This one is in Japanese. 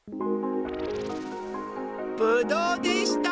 ぶどうでした！